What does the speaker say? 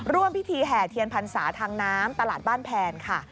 ร่วมพิธีแห่เทียนพรรษาทางน้ำตลาดบ้านแพนค่ะ